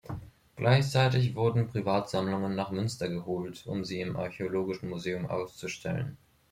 Gleichzeitig wurden Privatsammlungen nach Münster geholt, um sie im Archäologischen Museum auszustellen.